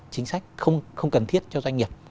chính sách không cần thiết cho doanh nghiệp